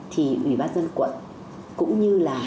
thì ủy ban dân quận cũng như là